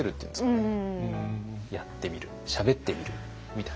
やってみるしゃべってみるみたいな。